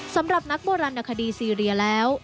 สำหรับนักโบราณคดีซีเรียแล้ว